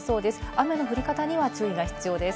雨の降り方には注意が必要です。